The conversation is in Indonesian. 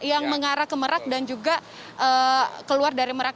yang mengarah ke merak dan juga keluar dari merak